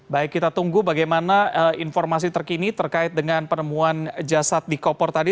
baik kita tunggu bagaimana informasi terkini terkait dengan penemuan jasad di koper tadi